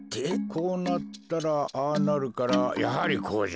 こうなったらああなるからやはりこうじゃ。